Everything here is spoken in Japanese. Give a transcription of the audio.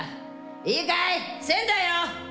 いいかい、千だよ。